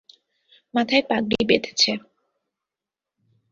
মাথায় পাগড়ী বেঁধেছে।